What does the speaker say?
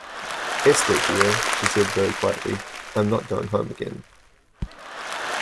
"Esther, dear," she said very quietly, "I am not going home again."